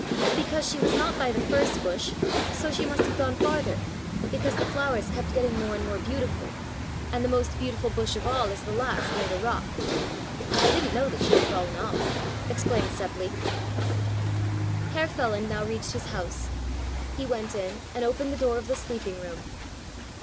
"Because she was not by the first bush, so she must have gone farther, because the flowers keep getting more and more beautiful, and the most beautiful bush of all is the last near the rock. But I didn't know that she had fallen off," explained Seppli. Herr Feland now reached his house. He went in and opened the door of the sleeping room.